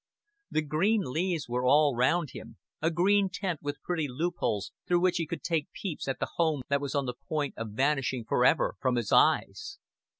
The green leaves were all round him, a green tent with pretty loopholes through which he could take peeps at the home that was on the point of vanishing forever from his eyes.